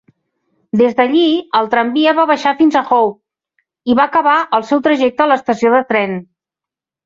Des d'allí, el tramvia va baixar fins a Howth i va acabar el seu trajecte en l'estació de tren.